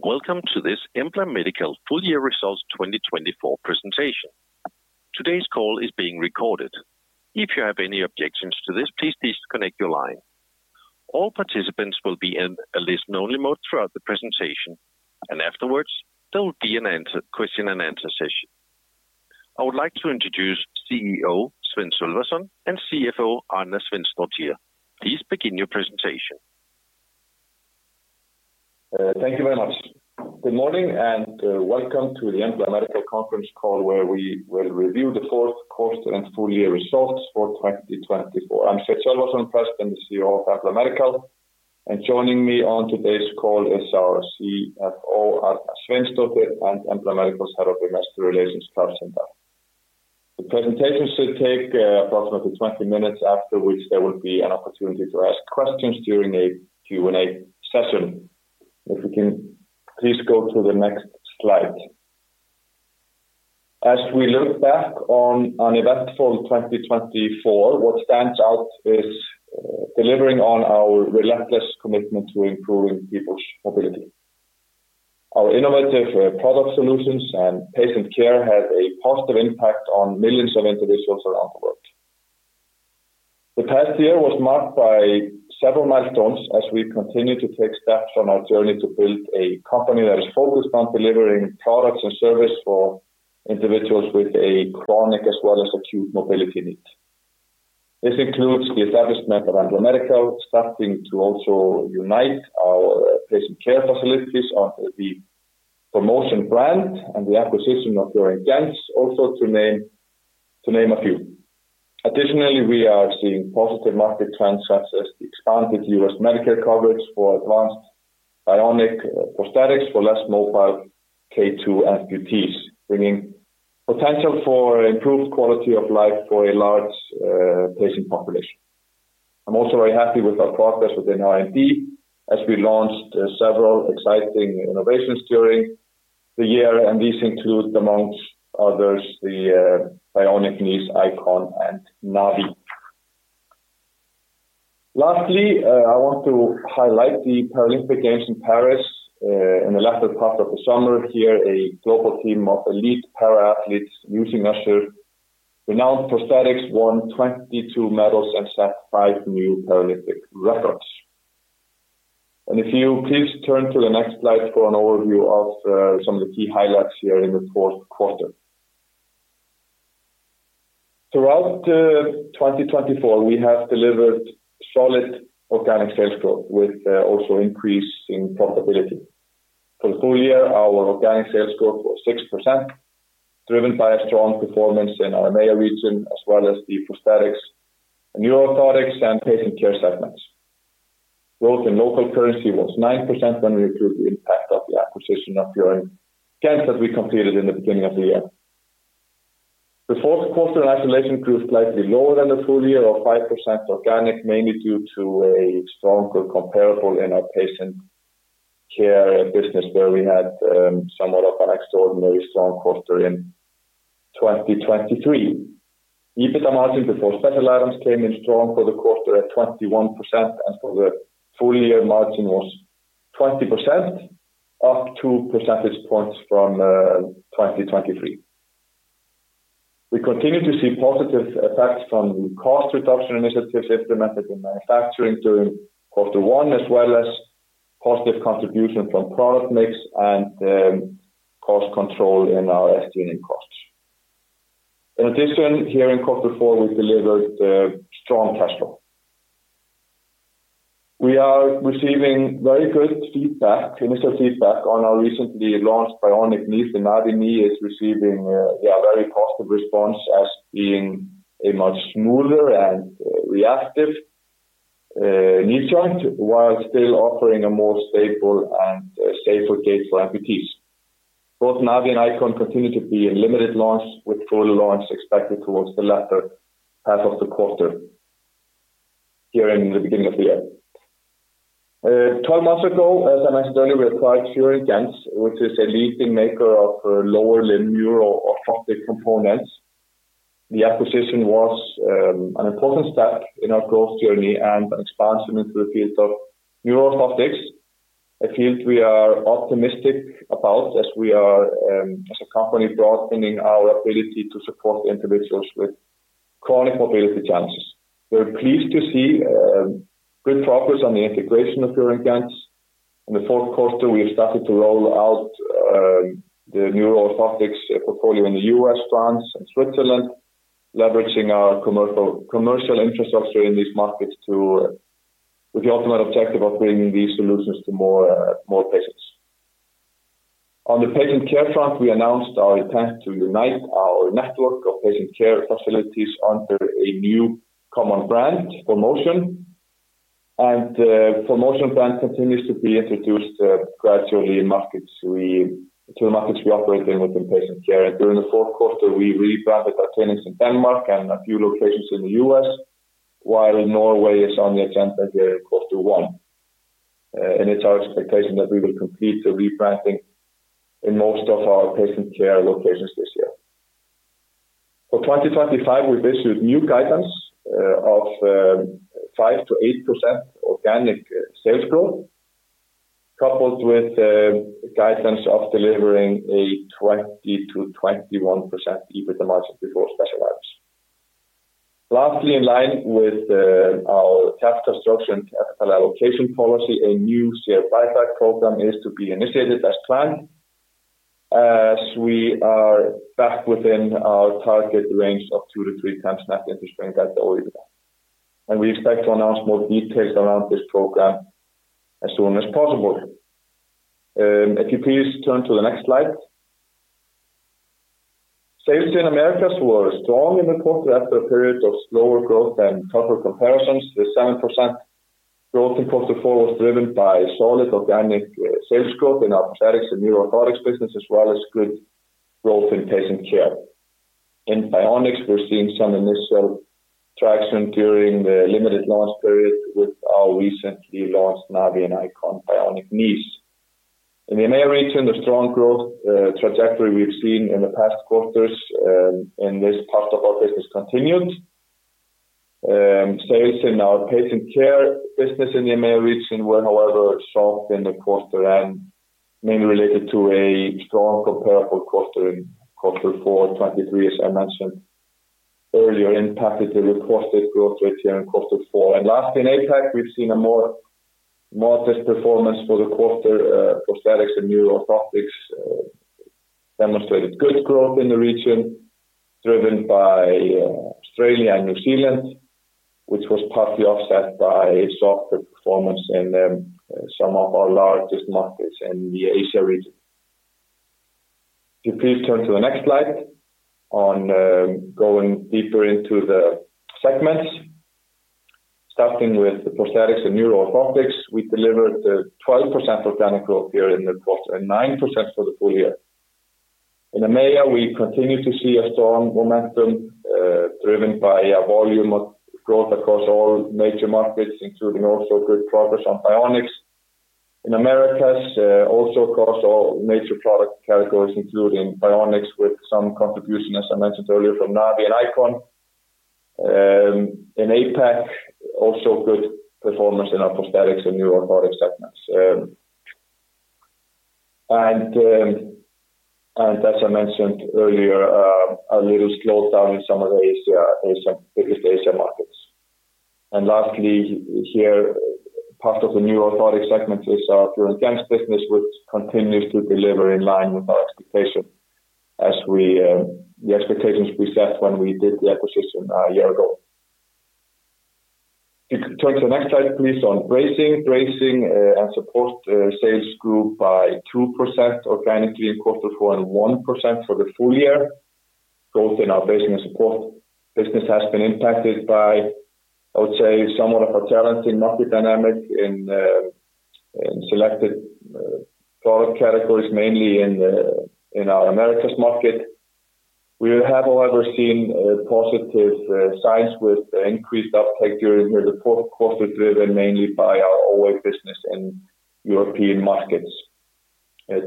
Welcome to this Embla Medical Full Year Results 2024 Presentation. Today's call is being recorded. If you have any objections to this, please disconnect your line. All participants will be in a listen-only mode throughout the presentation, and afterwards, there will be a question-and-answer session. I would like to introduce CEO Sveinn Sölvason and CFO Arna Sveinsdóttir. Please begin your presentation. Thank you very much. Good morning and welcome to the Embla Medical conference call where we will review the fourth quarter and full-year results for 2024. I'm Sveinn Sölvason, President and CEO of Embla Medical, and joining me on today's call is our CFO, Arna Sveinsdóttir, and Embla Medical's Head of Investor Relations Klaus Sindahl. The presentation should take approximately 20 minutes, after which there will be an opportunity to ask questions during a Q&A session. If we can please go to the next slide. As we look back on an eventful 2024, what stands out is delivering on our relentless commitment to improving people's mobility. Our innovative product solutions and patient care have a positive impact on millions of individuals around the world. The past year was marked by several milestones as we continue to take steps on our journey to build a company that is focused on delivering products and services for individuals with a chronic as well as acute mobility need. This includes the establishment of Embla Medical, starting to also unite our patient care facilities under the ForMotion brand Fior & Gentz, also to name a few. Additionally, we are seeing positive market trends such as the expanded U.S. Medicare coverage for advanced bionic prosthetics for less mobile K2 amputees, bringing potential for improved quality of life for a large patient population. I'm also very happy with our progress within R&D as we launched several exciting innovations during the year, and these include, among others, the bionic knees ICON and NAVII. Lastly, I want to highlight the Paralympic Games in Paris. In the latter part of the summer, here, a global team of elite para-athletes using Össur renowned prosthetics won 22 medals and set five new Paralympic records. If you please turn to the next slide for an overview of some of the key highlights here in the fourth quarter. Throughout 2024, we have delivered solid organic sales growth with also increasing profitability. For the full year, our organic sales growth was 6%, driven by a strong performance in our EMEA region as well as the Prosthetics, Neuro-Orthotics, and Patient Care segments. Growth in local currency was 9% with the impact of the Fior & Gentz that we completed in the beginning of the year. The fourth quarter in isolation grew slightly lower than the full year of 5% organic, mainly due to a stronger comparable in our patient care business, where we had somewhat of an extraordinary strong quarter in 2023. EBITDA margin before special items came in strong for the quarter at 21%, and for the full year, margin was 20%, up 2 percentage points from 2023. We continue to see positive effects from cost reduction initiatives implemented in manufacturing during quarter one, as well as positive contribution from product mix and cost control in our SG&A costs. In addition, here in quarter four, we delivered strong cash flow. We are receiving very good feedback, initial feedback on our recently launched bionic knees. The NAVII knee is receiving a very positive response as being a much smoother and reactive knee joint, while still offering a more stable and safer gait for amputees. Both NAVII and Icon continue to be in limited launch, with full launch expected towards the latter half of the quarter here in the beginning of the year. Twelve months ago, as I mentioned Fior & Gentz, which is a leading maker of lower limb neuro-orthotic components. The acquisition was an important step in our growth journey and an expansion into the field of neuro-orthotics, a field we are optimistic about as we are as a company broadening our ability to support individuals with chronic mobility challenges. We're pleased to see good progress on the Fior & Gentz. in the fourth quarter, we have started to roll out the neuro-orthotics portfolio in the U.S., France, and Switzerland, leveraging our commercial infrastructure in these markets with the ultimate objective of bringing these solutions to more patients. On the patient care front, we announced our intent to unite our network of patient care facilities under a new common brand, ForMotion. The ForMotion brand continues to be introduced gradually in markets we operate in within patient care. During the fourth quarter, we rebranded our clinics in Denmark and a few locations in the US, while Norway is on the agenda here in quarter one. It's our expectation that we will complete the rebranding in most of our patient care locations this year. For 2025, we've issued new guidance of 5%-8% organic sales growth, coupled with guidance of delivering a 20%-21% EBITDA margin before special items. Lastly, in line with our capital structure and capital allocation policy, a new share buyback program is to be initiated as planned as we are back within our target range of 2%-3% NIBD. We expect to announce more details around this program as soon as possible. If you please turn to the next slide. Sales in Americas were strong in the quarter after a period of slower growth and tougher comparisons. The 7% growth in quarter four was driven by solid organic sales growth in our prosthetics and neuro-orthotics business, as well as good growth in patient care. In bionics, we're seeing some initial traction during the limited launch period with our recently launched NAVII and Icon bionic knees. In the EMEA region, the strong growth trajectory we've seen in the past quarters in this part of our business continued. Sales in our patient care business in the EMEA region were, however, strong in the quarter and mainly related to a strong comparable quarter in quarter four 2023, as I mentioned earlier, impacted the reported growth rate here in quarter four, and lastly, in APAC, we've seen a more modest performance for the quarter. Prosthetics and Neuro-Orthotics demonstrated good growth in the region, driven by Australia and New Zealand, which was partly offset by softer performance in some of our largest markets in the Asia region. If you please turn to the next slide on going deeper into the segments. Starting with the Prosthetics and Neuro-Orthotics, we delivered 12% organic growth here in the quarter and 9% for the full year. In EMEA, we continue to see a strong momentum driven by volume growth across all major markets, including also good progress on bionics in Americas, also across all major product categories, including bionics with some contribution, as I mentioned earlier, from NAVII and Icon. In APAC, also good performance in our prosthetics and neuro-orthotics segments, and as I mentioned earlier, a little slowdown in some of the Asian markets, and lastly, here, part of the neuro-orthotics segment Fior & Gentz business, which continues to deliver in line with our expectations as the expectations we set when we did the acquisition a year ago. If you could turn to the next slide, please, on bracing. Bracing and Supports sales grew by 2% organically in quarter four and 1% for the full year. Both in our Bracing and Supports business has been impacted by, I would say, somewhat of a challenging market dynamic in selected product categories, mainly in our Americas market. We have, however, seen positive signs with increased uptake during here the fourth quarter, driven mainly by our OA business in European markets.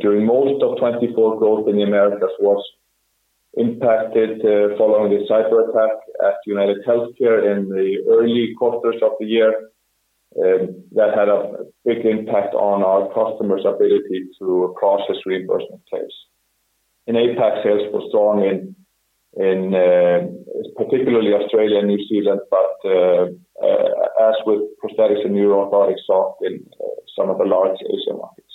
During most of 2024, growth in the Americas was impacted following the cyber attack at UnitedHealthcare in the early quarters of the year. That had a big impact on our customers' ability to process reimbursement claims. In APAC, sales were strong in particularly Australia and New Zealand, but as with prosthetics and neuro-orthotics, soft in some of the large Asia markets.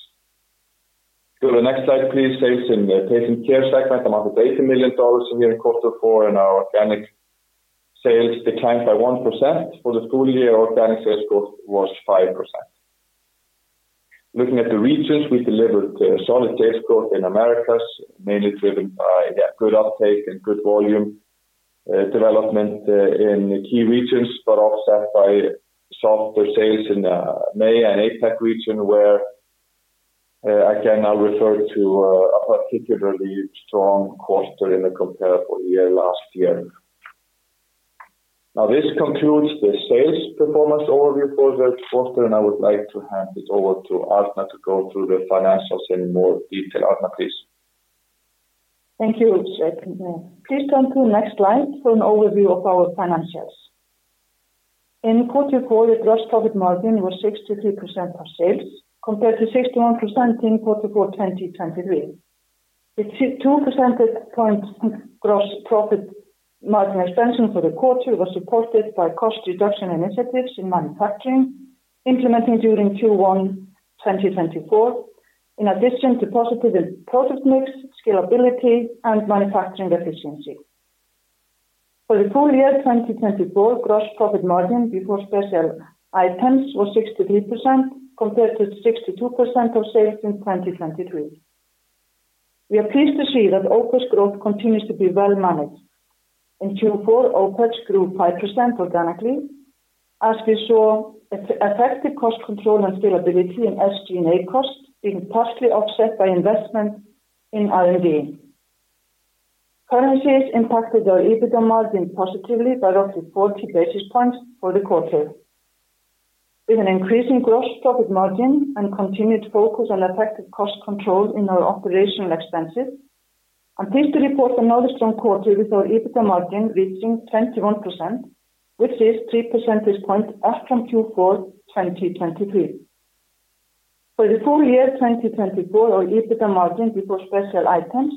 Go to the next slide, please. Sales in the patient care segment amounted to $80 million here in quarter four, and our organic sales declined by 1%. For the full year, organic sales growth was 5%. Looking at the regions, we delivered solid sales growth in Americas, mainly driven by good uptake and good volume development in key regions, but offset by softer sales in the EMEA and APAC region, where again, I'll refer to a particularly strong quarter in the comparable year last year. Now, this concludes the sales performance overview for the quarter, and I would like to hand it over to Arna to go through the financials in more detail. Arna, please. Thank you, First. Please turn to the next slide for an overview of our financials. In quarter four, the gross profit margin was 63% of sales, compared to 61% in quarter four 2023. The 2% gross profit margin expansion for the quarter was supported by cost reduction initiatives in manufacturing implemented during Q1 2024, in addition to positive product mix, scalability, and manufacturing efficiency. For the full year 2024, gross profit margin before special items was 63%, compared to 62% of sales in 2023. We are pleased to see that OPEX growth continues to be well managed. In Q4, OPEX grew 5% organically, as we saw effective cost control and scalability in SG&A costs being partially offset by investment in R&D. Currencies impacted our EBITDA margin positively by roughly 40 basis points for the quarter. With an increasing gross profit margin and continued focus on effective cost control in our operational expenses, I'm pleased to report another strong quarter with our EBITDA margin reaching 21%, which is 3 percentage points up from Q4 2023. For the full year 2024, our EBITDA margin before special items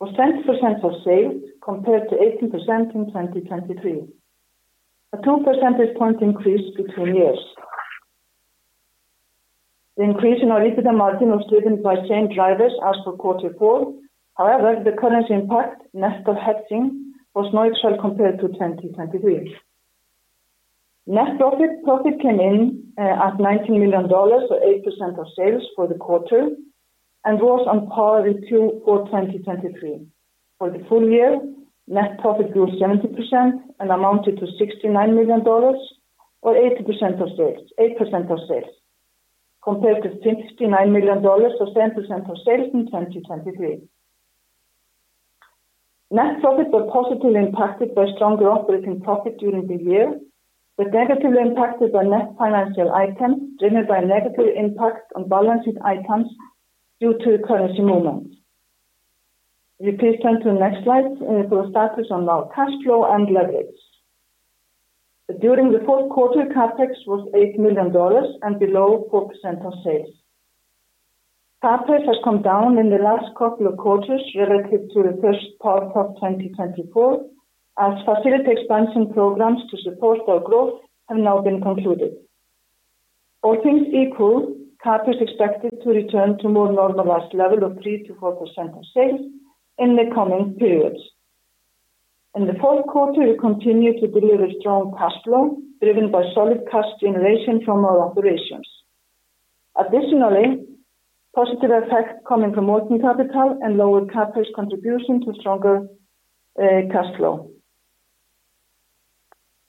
was 10% of sales, compared to 18% in 2023, a 2 percentage point increase between years. The increase in our EBITDA margin was driven by same drivers as for quarter four. However, the currency impact, net of FX, was neutral compared to 2023. Net profit came in at $19 million, or 8% of sales, for the quarter and was on par with Q4 2023. For the full year, net profit grew 70% and amounted to $69 million, or 8% of sales, 8% of sales, compared to $69 million, or 7% of sales in 2023. Net profit was positively impacted by strong growth rate in profit during the year, but negatively impacted by net financial items driven by negative impacts on balance sheet items due to currency movements. If you please turn to the next slide for a status on our cash flow and leverage. During the fourth quarter, CAPEX was $8 million and below 4% of sales. CAPEX has come down in the last couple of quarters relative to the first part of 2024, as facility expansion programs to support our growth have now been concluded. All things equal, CAPEX is expected to return to more normalized levels of 3%-4% of sales in the coming periods. In the fourth quarter, we continue to deliver strong cash flow driven by solid cash generation from our operations. Additionally, positive effects come from working capital and lower CAPEX contribution to stronger cash flow.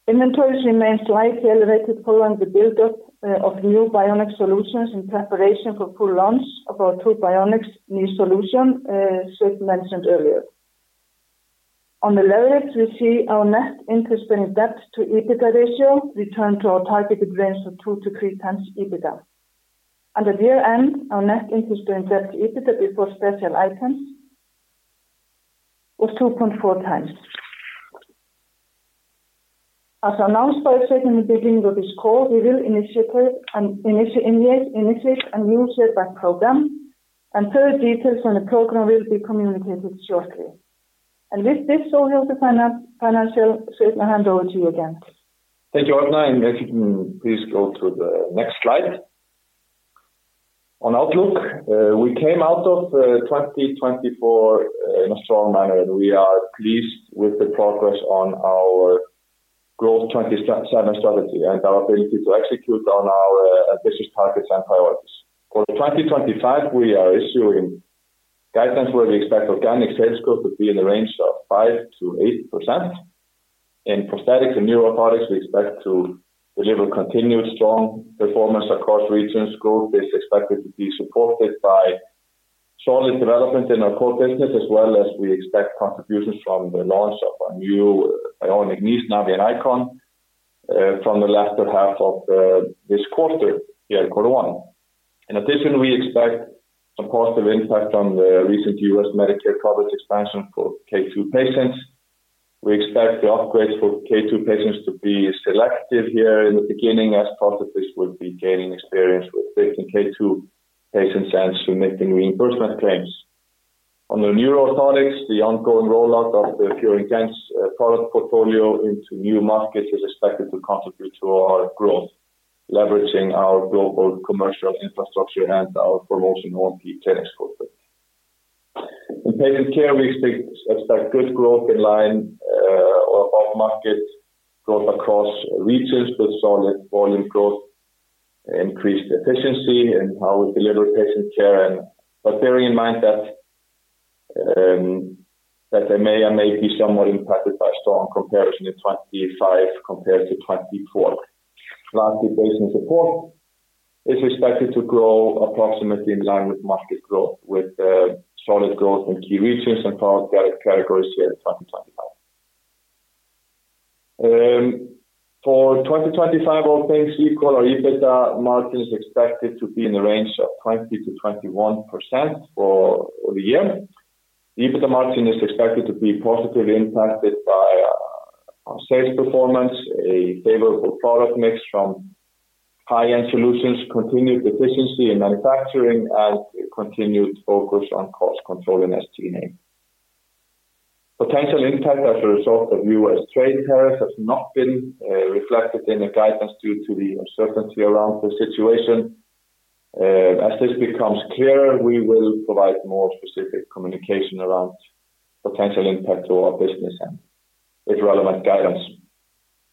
Inventories remain slightly elevated following the build-up of new bionic solutions in preparation for full launch of our two bionic knee solutions, as Sveinn mentioned earlier. On the leverage, we see our net interest-bearing debt to EBITDA ratio returned to our targeted range of 2x-3x EBITDA. At year-end, our net interest-bearing debt to EBITDA before special items was 2.4x. As announced by Sveinn in the beginning of this call, we will initiate a new share buyback program, and further details on the program will be communicated shortly. With this, all of the financial statements are handed over to you again. Thank you, Arna. And if you can please go to the next slide. On Outlook, we came out of 2024 in a strong manner, and we are pleased with the progress on our growth 2027 strategy and our ability to execute on our ambitious targets and priorities. For 2025, we are issuing guidance where we expect organic sales growth to be in the range of 5%-8%. In prosthetics and neuro-orthotics, we expect to deliver continued strong performance across regions. Growth is expected to be supported by solid development in our core business, as well as we expect contributions from the launch of our new bionic knees, NAVII and Icon, from the latter half of this quarter, here in quarter one. In addition, we expect some positive impact on the recent U.S. Medicare coverage expansion for K2 patients. We expect the upgrades for K2 patients to be selective here in the beginning, as prosthetists will be gaining experience with fixing K2 patients and submitting reimbursement claims. On the Neuro-Orthotics, the ongoing rollout Fior & Gentz product portfolio into new markets is expected to contribute to our growth, leveraging our global commercial infrastructure and our ForMotion on the clinics quarter. In patient care, we expect good growth in line or above market growth across regions with solid volume growth, increased efficiency in how we deliver patient care, but bearing in mind that EMEA may be somewhat impacted by strong comparison in 2025 compared to 2024, lastly, patient support is expected to grow approximately in line with market growth, with solid growth in key regions and product categories here in 2025. For 2025, all things equal, our EBITDA margin is expected to be in the range of 20%-21% for the year. The EBITDA margin is expected to be positively impacted by our sales performance, a favorable product mix from high-end solutions, continued efficiency in manufacturing, and continued focus on cost control in SG&A. Potential impact as a result of U.S. trade tariffs has not been reflected in the guidance due to the uncertainty around the situation. As this becomes clearer, we will provide more specific communication around potential impact to our business and with relevant guidance.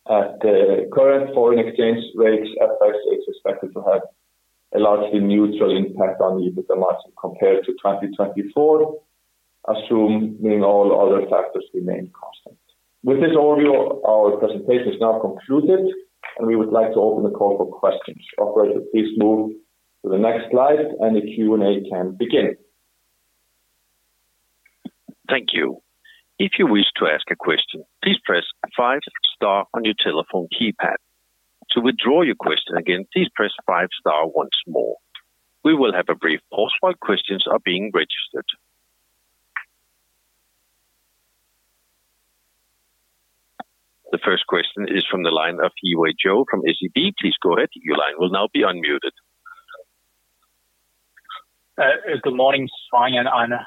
At the current foreign exchange rates, FX is expected to have a largely neutral impact on the EBITDA margin compared to 2024, assuming all other factors remain constant. With this overview, our presentation is now concluded, and we would like to open the call for questions. Operator, please move to the next slide, and the Q&A can begin. Thank you. If you wish to ask a question, please press five stars on your telephone keypad. To withdraw your question again, please press five stars once more. We will have a brief pause while questions are being registered. The first question is from the line of Yiwei Zhou from SEB. Please go ahead. Your line will now be unmuted. Good morning. It's fine, Arna.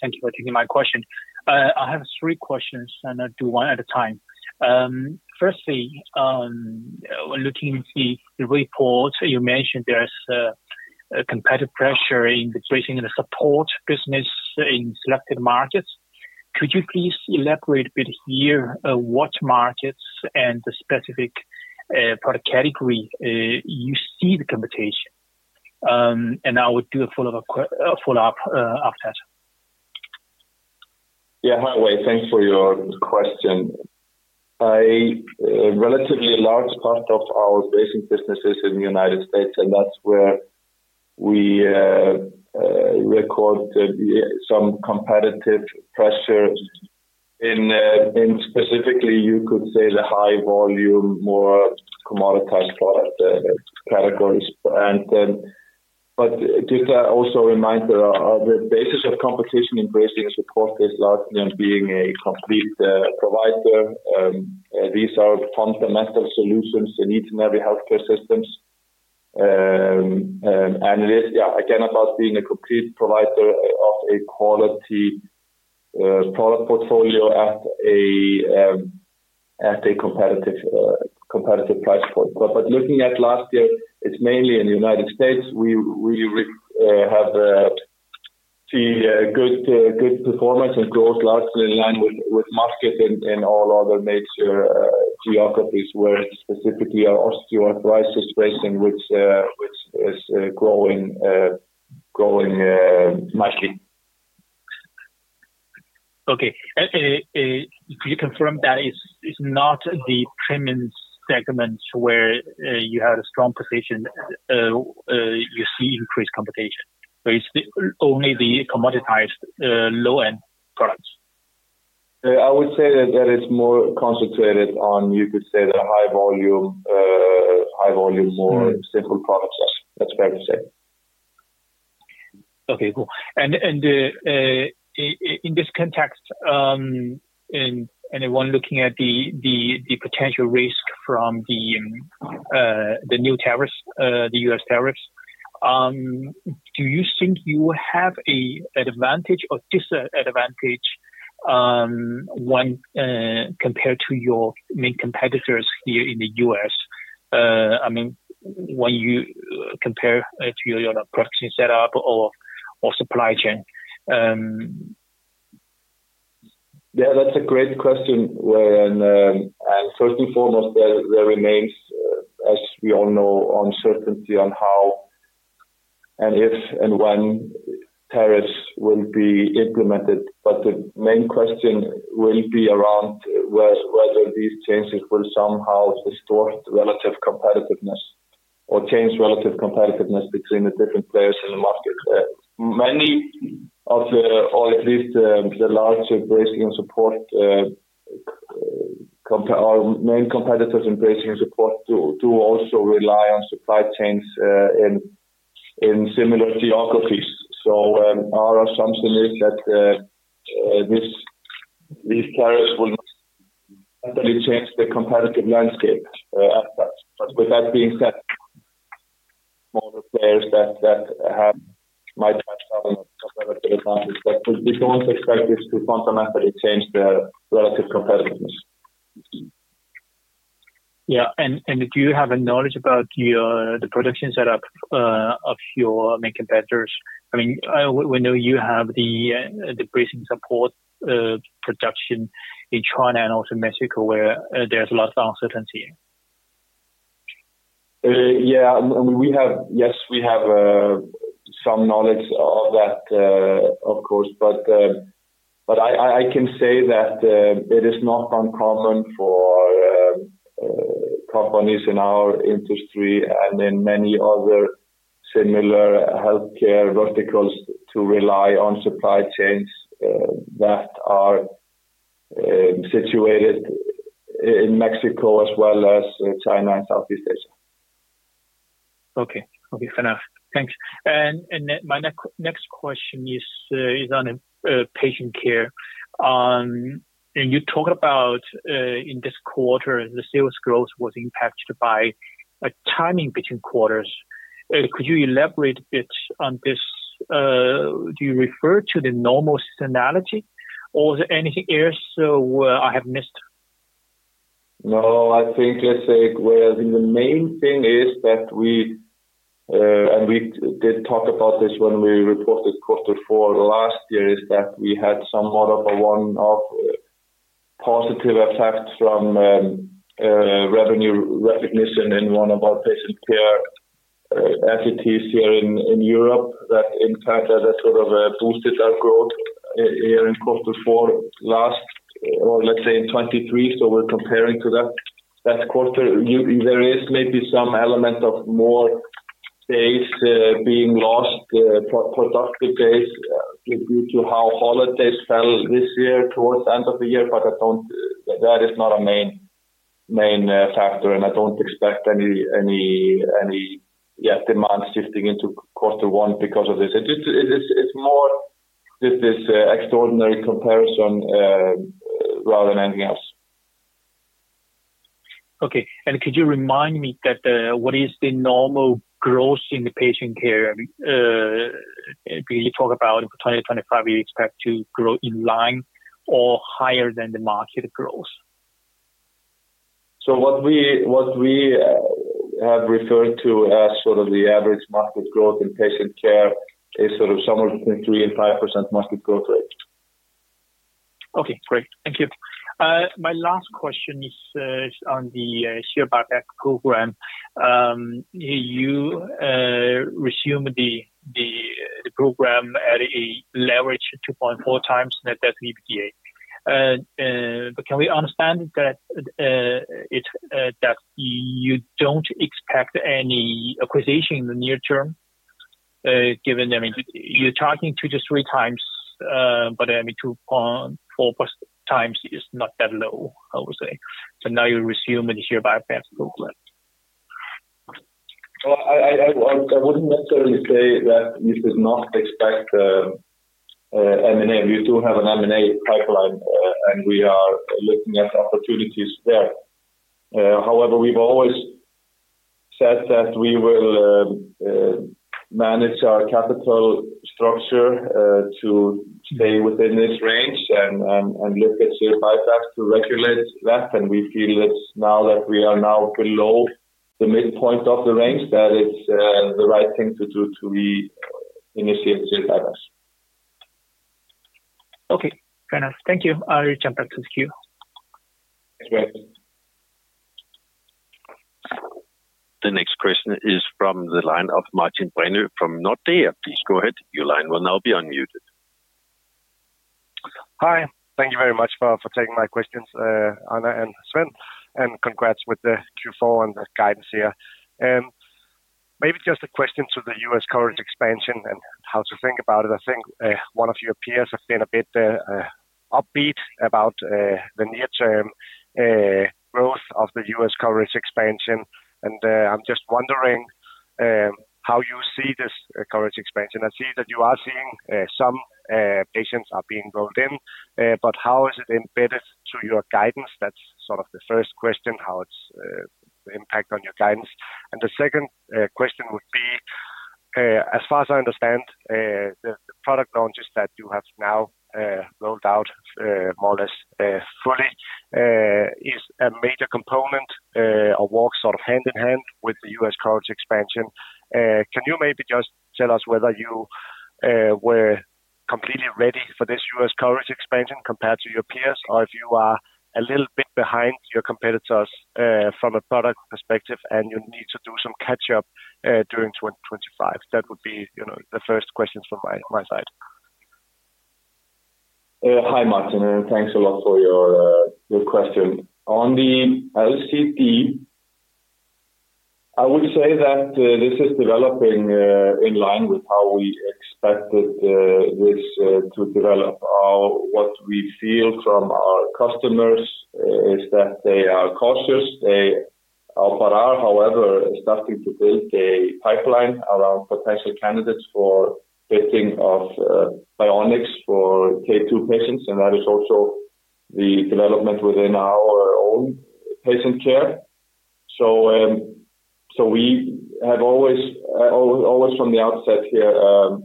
Thank you for taking my question. I have three questions, and I'll do one at a time. Firstly, looking at the report, you mentioned there's competitive pressure in the bracing and the support business in selected markets. Could you please elaborate a bit here what markets and the specific product category you see the competition? And I will do a follow-up after that. Yeah, Yiwei, thanks for your question. A relatively large part of our bracing business is in the United States, and that's where we record some competitive pressure. Specifically, you could say the high-volume, more commoditized product categories. But just to also remind, there are the basis of competition in bracing and support is largely on being a complete provider. These are fundamental solutions in each and every healthcare system. And yeah, again, about being a complete provider of a quality product portfolio at a competitive price point. But looking at last year, it's mainly in the United States. We really have seen good performance and growth largely in line with markets in all other major geographies, where specifically our osteoarthritis bracing, which is growing nicely. Okay. Could you confirm that it's not the premium segment where you had a strong position, you see increased competition? So it's only the commoditized low-end products? I would say that it's more concentrated on, you could say, the high-volume, more simple products. That's fair to say. Okay, cool, and in this context, and when looking at the potential risk from the new tariffs, the U.S. tariffs, do you think you have an advantage or disadvantage compared to your main competitors here in the U.S.? I mean, when you compare to your production setup or supply chain. Yeah, that's a great question. And first and foremost, there remains, as we all know, uncertainty on how and if and when tariffs will be implemented. But the main question will be around whether these changes will somehow distort relative competitiveness or change relative competitiveness between the different players in the market. Many of the, or at least the larger bracing and support, our main competitors in bracing and support do also rely on supply chains in similar geographies. So our assumption is that these tariffs will change the competitive landscape aspect. But with that being said, smaller players that might have some competitive advantage, but we don't expect this to fundamentally change their relative competitiveness. Yeah. And do you have knowledge about the production setup of your main competitors? I mean, we know you have the bracing support production in China and also Mexico, where there's a lot of uncertainty. Yeah. Yes, we have some knowledge of that, of course. But I can say that it is not uncommon for companies in our industry and in many other similar healthcare verticals to rely on supply chains that are situated in Mexico as well as China and Southeast Asia. Okay. Okay, fair enough. Thanks. And my next question is on patient care. And you talked about in this quarter, the sales growth was impacted by timing between quarters. Could you elaborate a bit on this? Do you refer to the normal seasonality? Or is there anything else I have missed? No, I think it's great as in the main thing is that we, and we did talk about this when we reported quarter four last year, is that we had somewhat of a one-off positive effect from revenue recognition in one of our patient care entities here in Europe. That in fact, that sort of boosted our growth here in quarter four last, or let's say in 2023. So we're comparing to that quarter. There is maybe some element of more base being lost, productive base, due to how holidays fell this year towards the end of the year. But that is not a main factor, and I don't expect any demand shifting into quarter one because of this. It's more just this extraordinary comparison rather than anything else. Okay. And could you remind me that what is the normal growth in the patient care? You talk about in 2025, you expect to grow in line or higher than the market growth? What we have referred to as sort of the average market growth in patient care is sort of somewhere between 3% and 5% market growth rate. Okay. Great. Thank you. My last question is on the share buyback program. You resume the program at a leverage 2.4x net debt to EBITDA. But can we understand that you don't expect any acquisition in the near term? I mean, you're talking two to three times, but I mean, 2.4x is not that low, I would say. So now you resume the share buyback program. I wouldn't necessarily say that you should not expect M&A. We do have an M&A pipeline, and we are looking at opportunities there. However, we've always said that we will manage our capital structure to stay within this range and look at share buybacks to regulate that. We feel that now that we are below the midpoint of the range, that it's the right thing to do to initiate share buybacks. Okay. Fair enough. Thank you. I'll jump back to the queue. Thanks, Yiwei. The next question is from the line of Martin Brenøe from Nordea. Please go ahead. Your line will now be unmuted. Hi. Thank you very much for taking my questions, Arna and Sveinn. And congrats with the Q4 and the guidance here. Maybe just a question to the U.S. coverage expansion and how to think about it. I think one of your peers has been a bit upbeat about the near-term growth of the U.S. coverage expansion. And I'm just wondering how you see this coverage expansion. I see that you are seeing some patients are being rolled in, but how is it embedded to your guidance? That's sort of the first question, how it's impact on your guidance. And the second question would be, as far as I understand, the product launches that you have now rolled out more or less fully is a major component or walks sort of hand in hand with the U.S. coverage expansion. Can you maybe just tell us whether you were completely ready for this U.S. coverage expansion compared to your peers, or if you are a little bit behind your competitors from a product perspective and you need to do some catch-up during 2025? That would be the first question from my side. Hi, Martin, and thanks a lot for your question. On the LCD, I would say that this is developing in line with how we expected this to develop. What we feel from our customers is that they are cautious. They are however starting to build a pipeline around potential candidates for bracing or bionics for K2 patients, and that is also the development within our own patient care, so we have always from the outset here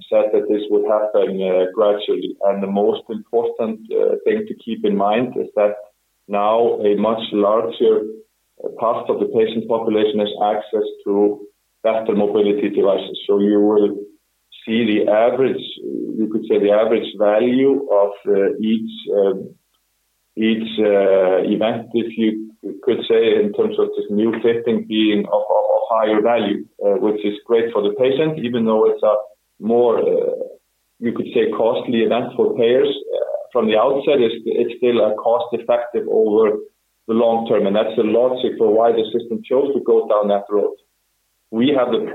said that this would happen gradually, and the most important thing to keep in mind is that now a much larger part of the patient population has access to better mobility devices. So you will see the average, you could say the average value of each event, if you could say, in terms of just new bracing being of higher value, which is great for the patient, even though it's a more, you could say, costly event for payers. From the outset, it's still a cost-effective over the long term. And that's the logic for why the system chose to go down that road. We have the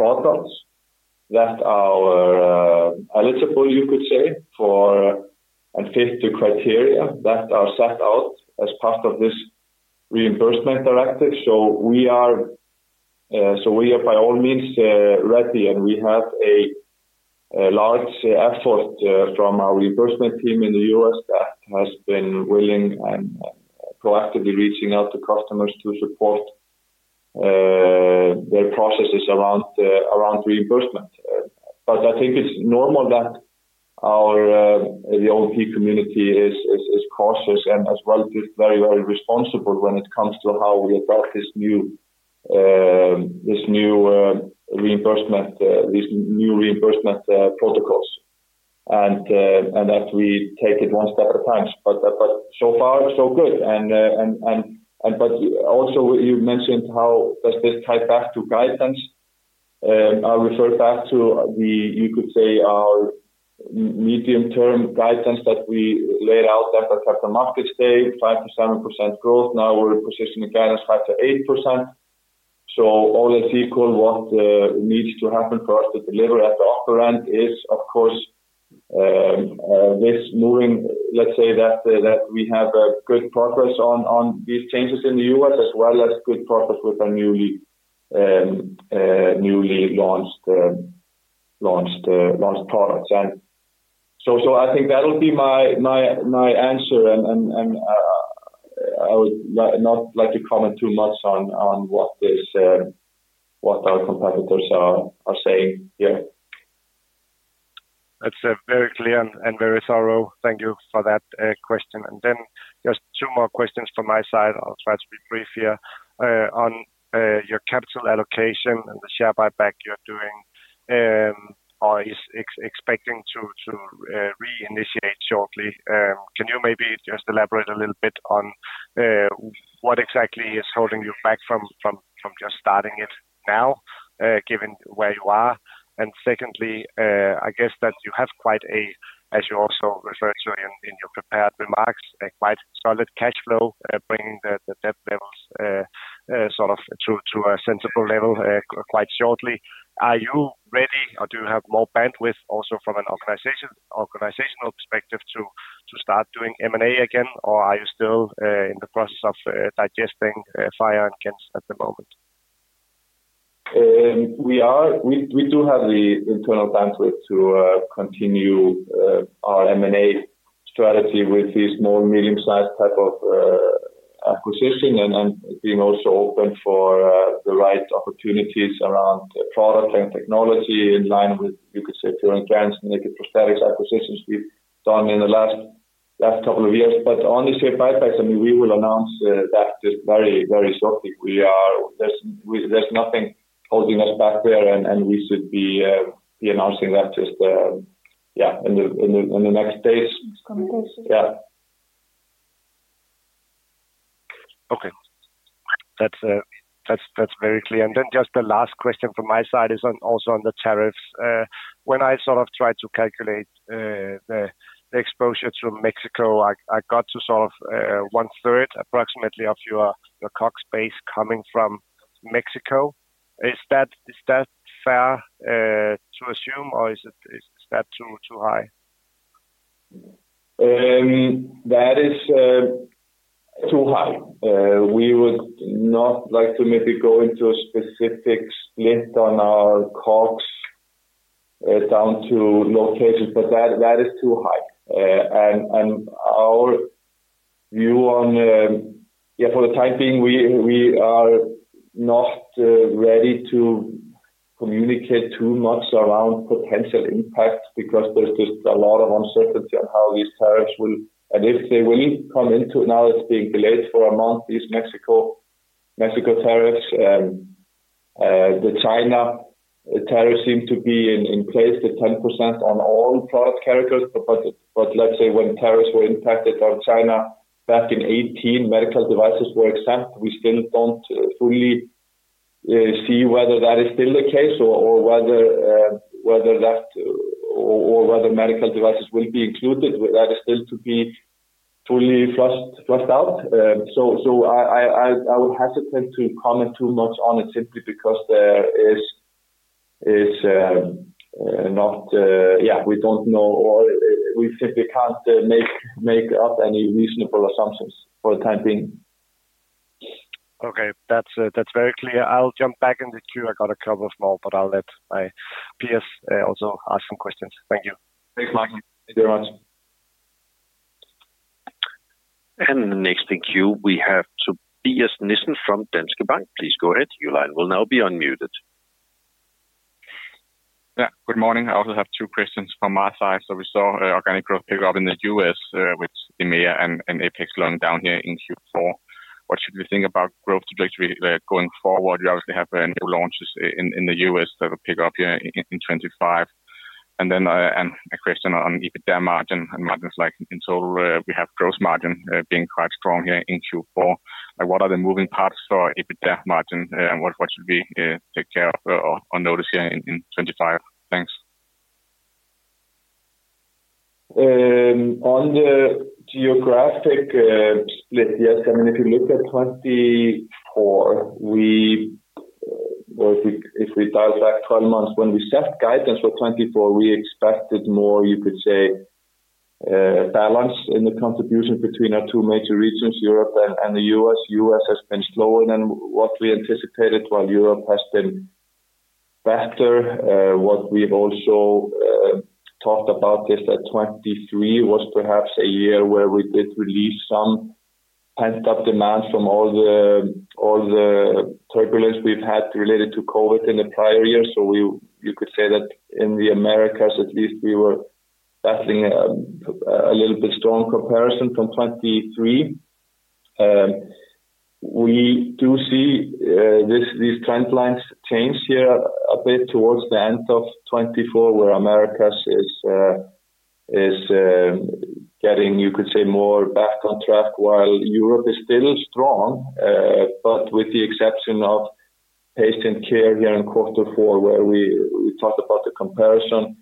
products that are eligible, you could say, for and fit the criteria that are set out as part of this reimbursement directive. So we are by all means ready, and we have a large effort from our reimbursement team in the U.S. that has been willing and proactively reaching out to customers to support their processes around reimbursement. But I think it's normal that the O&P community is cautious and as well just very, very responsible when it comes to how we adopt this new reimbursement, these new reimbursement protocols. And that we take it one step at a time. But so far, so good. But also you mentioned how does this tie back to guidance. I refer back to the, you could say, our medium-term guidance that we laid out that the market stayed 5%-7% growth. Now we're positioning guidance 5%-8%. So all is equal. What needs to happen for us to deliver at the upper end is, of course, this moving, let's say that we have good progress on these changes in the U.S. as well as good progress with our newly launched products. And so I think that'll be my answer. I would not like to comment too much on what our competitors are saying here. That's very clear and very thorough. Thank you for that question. And then just two more questions from my side. I'll try to be brief here on your capital allocation and the share buyback you're doing or expecting to reinitiate shortly. Can you maybe just elaborate a little bit on what exactly is holding you back from just starting it now, given where you are? And secondly, I guess that you have quite a, as you also referred to in your prepared remarks, a quite solid cash flow bringing the debt levels sort of to a sensible level quite shortly. Are you ready or do you have more bandwidth also from an organizational perspective to start doing M&A again? Or are you still in the process Fior & Gentz at the moment? We do have the internal bandwidth to continue our M&A strategy with these small, medium-sized type of acquisition and being also open for the right opportunities around product and technology in line with, you could say, Fior & Gentz and Naked Prosthetics acquisitions we've done in the last couple of years. But on the share buybacks, I mean, we will announce that just very, very shortly. There's nothing holding us back there, and we should be announcing that just, yeah, in the next days. Okay. That's very clear, and then just the last question from my side is also on the tariffs. When I sort of tried to calculate the exposure to Mexico, I got to sort of one-third approximately of your cost base coming from Mexico. Is that fair to assume or is that too high? That is too high. We would not like to maybe go into a specific split on our COGS down to locations, but that is too high. Our view on, yeah, for the time being, we are not ready to communicate too much around potential impact because there's just a lot of uncertainty on how these tariffs will, and if they will, come into. Now it's being delayed for a month, these Mexico tariffs. The China tariffs seem to be in place, the 10% on all product categories. But let's say when tariffs were impacted on China back in 2018, medical devices were exempt. We still don't fully see whether that is still the case or whether medical devices will be included. That is still to be fully fleshed out. So I would hesitate to comment too much on it simply because there is not, yeah, we don't know or we simply can't make up any reasonable assumptions for the time being. Okay. That's very clear. I'll jump back in the queue. I got a couple of more, but I'll let my peers also ask some questions. Thank you. Thanks, Martin. Thank you very much. And in the next in queue, we have Tobias Nissen from Danske Bank. Please go ahead. Your line will now be unmuted. Yeah. Good morning. I also have two questions from my side. So we saw organic growth pick up in the U.S. with EMEA and APAC slowing down here in Q4. What should we think about growth trajectory going forward? We obviously have new launches in the U.S. that will pick up here in 2025. And then a question on EBITDA margin and margins like in total, we have gross margin being quite strong here in Q4. What are the moving parts for EBITDA margin? What should we take care of or notice here in 2025? Thanks. On the geographic split, yes. I mean, if you look at 2024, if we dial back 12 months when we set guidance for 2024, we expected more, you could say, balance in the contribution between our two major regions, Europe and the U.S., U.S. has been slower than what we anticipated, while Europe has been better. What we've also talked about is that 2023 was perhaps a year where we did release some pent-up demand from all the turbulence we've had related to COVID in the prior year. So you could say that in the Americas, at least we were battling a little bit strong comparison from 2023. We do see these trend lines change here a bit towards the end of 2024 where Americas is getting, you could say, more back on track while Europe is still strong, but with the exception of patient care here in quarter four where we talked about the comparison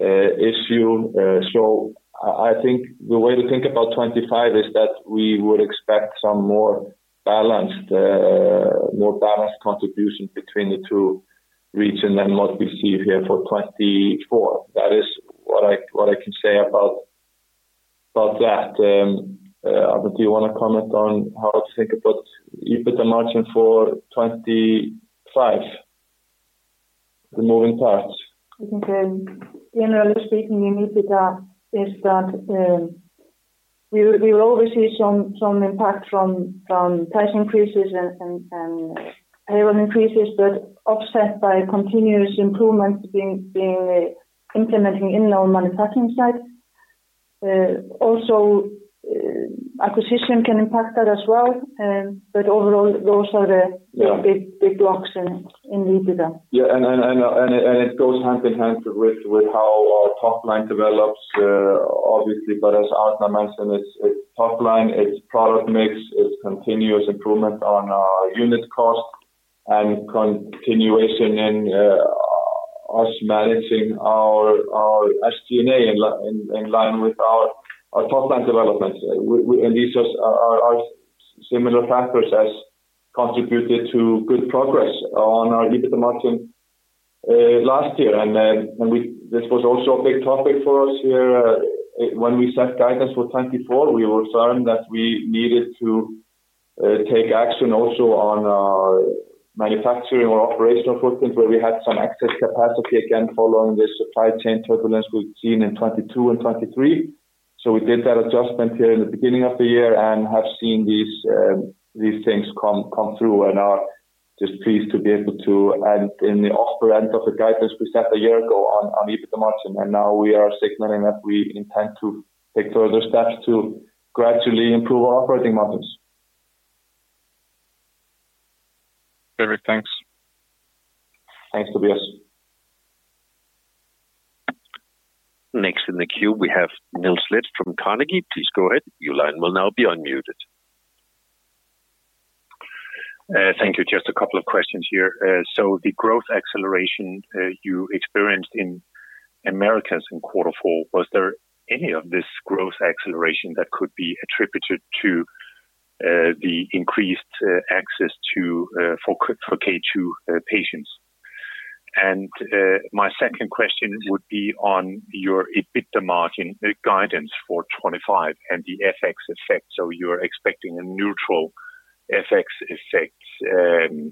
issue. So I think the way to think about 2025 is that we would expect some more balanced contribution between the two regions than what we see here for 2024. That is what I can say about that. Do you want to comment on how to think about EBITDA margin for 2025? The moving parts. I think generally speaking, the EBITDA is that we will always see some impact from price increases and payroll increases, but offset by continuous improvements being implemented in our manufacturing side. Also, acquisition can impact that as well. But overall, those are the big blocks in EBITDA. Yeah. And it goes hand in hand with how our top line develops, obviously. But as Arna mentioned, it's top line, it's product mix, it's continuous improvement on our unit cost, and continuation in us managing our SG&A in line with our top line development. And these are similar factors as contributed to good progress on our EBITDA margin last year. And this was also a big topic for us here. When we set guidance for 2024, we were firm that we needed to take action also on our manufacturing or operational footprint where we had some excess capacity again following the supply chain turbulence we've seen in 2022 and 2023. So we did that adjustment here in the beginning of the year and have seen these things come through. And I'm just pleased to be able to add in the upper end of the guidance we set a year ago on EBITDA margin. And now we are signaling that we intend to take further steps to gradually improve our operating margins. Very good. Thanks. Thanks, Tobias. Next in the queue, we have Niels Leth from Carnegie. Please go ahead. Your line will now be unmuted. Thank you. Just a couple of questions here. So the growth acceleration you experienced in Americas in quarter four, was there any of this growth acceleration that could be attributed to the increased access for K2 patients? And my second question would be on your EBITDA margin guidance for 2025 and the FX effect. So you're expecting a neutral FX effect.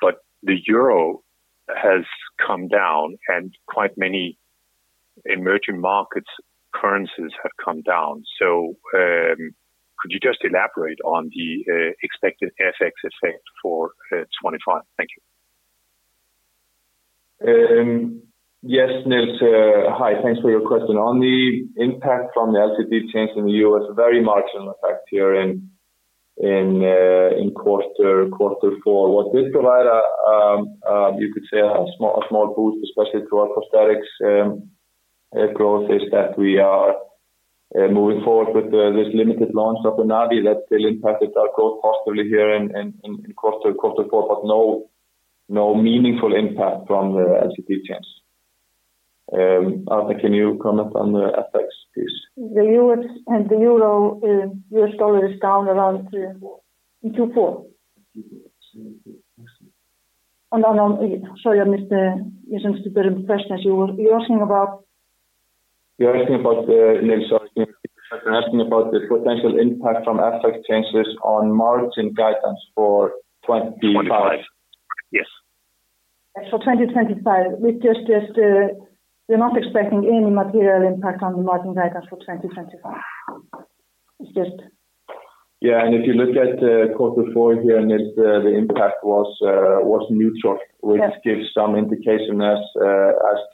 But the euro has come down and quite many emerging markets' currencies have come down. So could you just elaborate on the expected FX effect for 2025? Thank you. Yes, Niels. Hi. Thanks for your question. On the impact from the LCD change in the U.S., very marginal effect here in quarter four. What did provide a small boost, especially to our prosthetics growth, is that we are moving forward with this limited launch of the NAVII that still impacted our growth positively here in quarter four, but no meaningful impact from the LCD change. Arna, can you comment on the FX piece? The euro dollar is down around in Q4, and sorry, Mr. Nissen, just a bit of a question. You're asking about? You're asking about Niels. Sorry. You're asking about the potential impact from FX changes on margin guidance for 2025. For 2025, yes. For 2025. We're not expecting any material impact on the margin guidance for 2025. It's just. Yeah, and if you look at quarter four here, Niels, the impact was neutral, which gives some indication as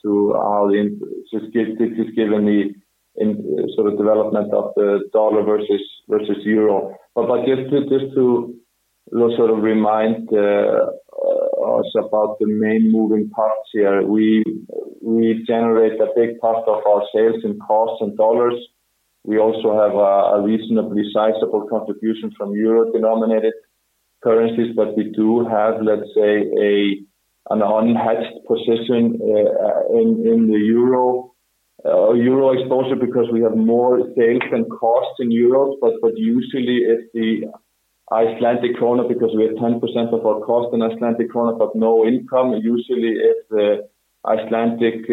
to how it's just given the sort of development of the dollar versus euro, but just to sort of remind us about the main moving parts here, we generate a big part of our sales in costs and dollars. We also have a reasonably sizable contribution from euro-denominated currencies, but we do have, let's say, an unhedged position in the euro exposure because we have more sales than costs in euros, but usually, if the Icelandic króna, because we have 10% of our cost in Icelandic króna but no income, usually if the Icelandic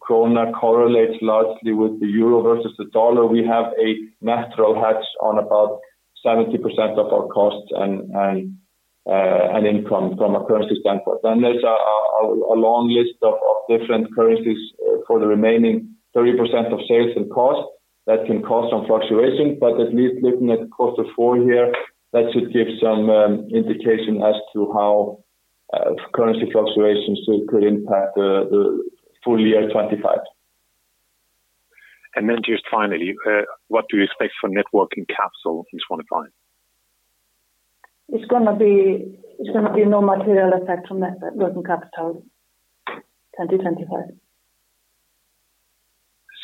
króna correlates largely with the euro versus the dollar, we have a natural hedge on about 70% of our costs and income from a currency standpoint. There's a long list of different currencies for the remaining 30% of sales and costs that can cause some fluctuation. At least looking at quarter four here, that should give some indication as to how currency fluctuations could impact the full year 2025. Then just finally, what do you expect for net working capital in 2025? It's going to be no material effect from net working capital in 2025.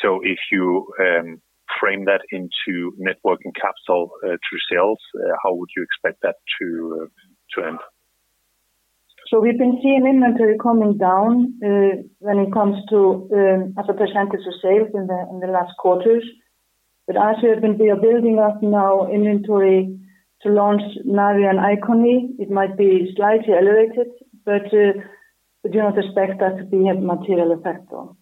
So if you frame that into net working capital through sales, how would you expect that to end? So we've been seeing inventory coming down when it comes to as a percentage of sales in the last quarters. But as we've been building up now inventory to launch NAVII and Icon, it might be slightly elevated, but we don't expect that to be a material effect though.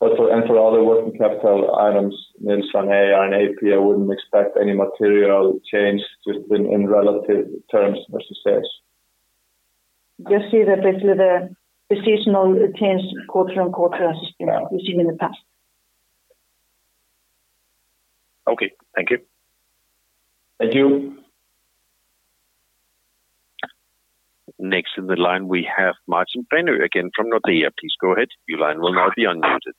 For other working capital items, inventory and AP, I wouldn't expect any material change, just in relative terms versus sales. Just see that basically the seasonal change quarter on quarter as we've seen in the past. Okay. Thank you. Thank you. Next in the line, we have Martin Brenøe again from Nordea. Please go ahead. Your line will now be unmuted.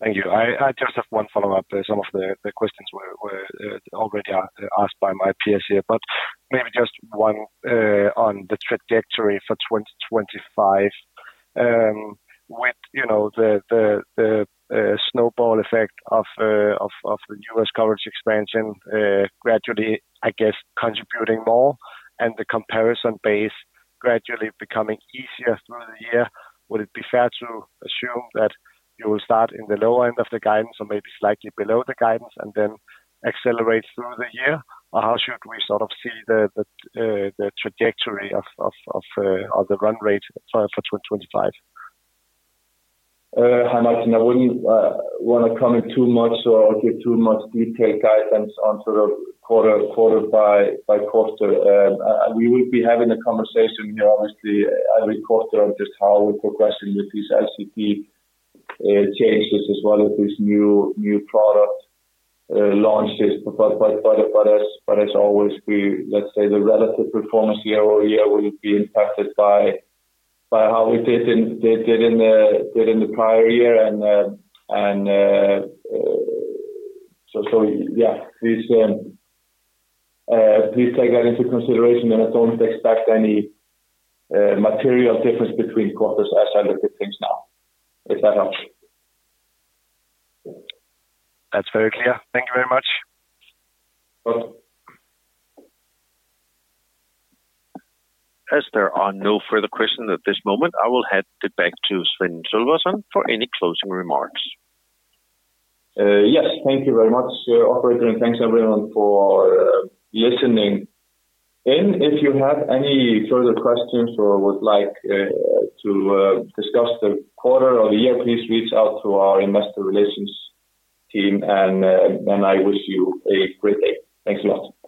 Thank you. I just have one follow-up. Some of the questions were already asked by my peers here, but maybe just one on the trajectory for 2025 with the snowball effect of the U.S. coverage expansion gradually, I guess, contributing more and the comparison base gradually becoming easier through the year. Would it be fair to assume that you will start in the lower end of the guidance or maybe slightly below the guidance and then accelerate through the year? Or how should we sort of see the trajectory of the run rate for 2025? Hi, Martin. I wouldn't want to comment too much or give too much detailed guidance on sort of quarter by quarter. We will be having a conversation here, obviously, every quarter on just how we're progressing with these LCD changes as well as these new product launches. But as always, let's say the relative performance year over year will be impacted by how we did in the prior year. And so, yeah, please take that into consideration. And I don't expect any material difference between quarters as I look at things now, if that helps. That's very clear. Thank you very much. Welcome. As there are no further questions at this moment, I will hand it back to Sveinn Sölvason for any closing remarks. Yes. Thank you very much, operator, and thanks everyone for listening. And if you have any further questions, or would like to discuss the quarter of the year, please reach out through our Investor Relations Team. And I wish you a great day. Thanks a lot.